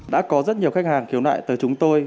đã có rất nhiều khách hàng khiếu nại tới chúng tôi